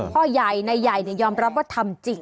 พ่อใหญ่นายใหญ่ยอมรับว่าทำจริง